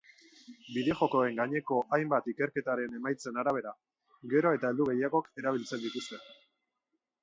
Bideo-jokoen gaineko hainbat ikerketaren emaitzen arabera, gero eta heldu gehiagok erabiltzen dituzte.